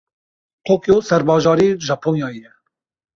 Tokyo serbajarê Japonyayê ye.